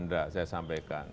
tidak saya sampaikan